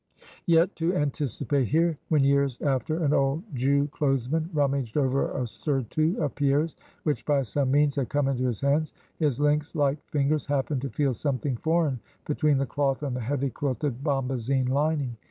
Yet to anticipate here when years after, an old Jew Clothesman rummaged over a surtout of Pierre's which by some means had come into his hands his lynx like fingers happened to feel something foreign between the cloth and the heavy quilted bombazine lining.